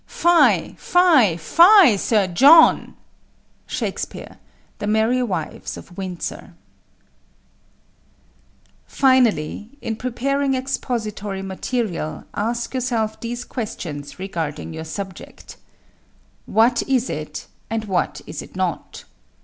Fie, fie, fie, Sir John! SHAKESPEARE, The Merry Wives of Windsor. Finally, in preparing expository material ask yourself these questions regarding your subject: What is it, and what is it not?